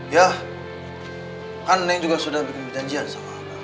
yah kan neng juga sudah bikin perjanjian sama abah